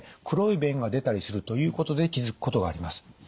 黒い便が出たりするということで気付くことがあります。